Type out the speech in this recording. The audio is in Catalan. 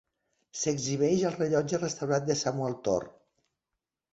S'exhibeix el rellotge restaurat de Samuel Thorp.